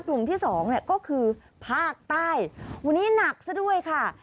กลุ่มที่๒ก็คือภาคใต้วันนี้หนักซะด้วยค่ะ